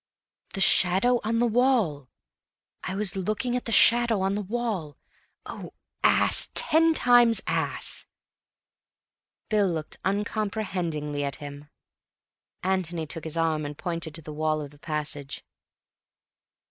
"The shadow on the wall! I was looking at the shadow on the wall. Oh, ass, and ten times ass!" Bill looked uncomprehendingly at him. Antony took his arm and pointed to the wall of the passage.